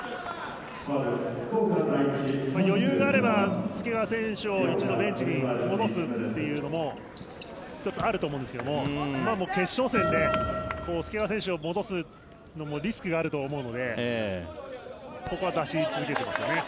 余裕があれば介川選手を一度ベンチに戻すっていうのも１つあると思うんですが決勝戦で介川選手を戻すのもリスクがあると思うのでここは出し続けていますよね。